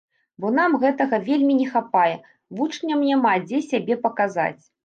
Бо нам гэтага вельмі не хапае, вучням няма дзе сябе паказаць.